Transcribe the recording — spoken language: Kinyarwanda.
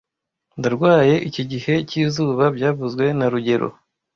Ndarwaye iki gihe cyizuba byavuzwe na rugero